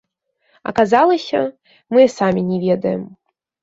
Аказалася, мы і самі не ведаем.